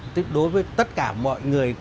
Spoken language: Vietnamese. tức đối với tất cả mọi người